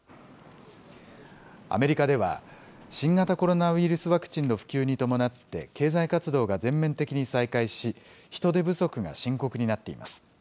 アメリカでは、新型コロナウイルスワクチンの普及に伴って、経済活動が全面的に再開し、人手不足が深刻になっています。